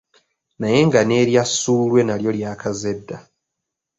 Naye nga n'erya ssuulwe nalyo lyakaze dda.